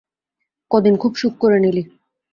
কদিন খুব সুখ করে নিলি!